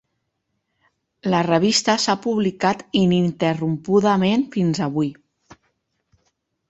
La revista s'ha publicat ininterrompudament fins avui.